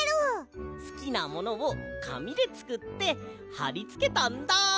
すきなものをかみでつくってはりつけたんだ！